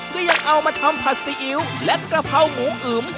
ก็ยังเอามาทำผัดซีอิ๊วและกระเพราหมูอึ๋ม